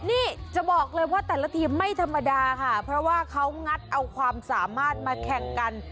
นี่จะบอกเลยว่าแต่ละทีมไม่ธรรมดาค่ะเพราะว่าเขางัดเอาความสามารถมาแข่งกัน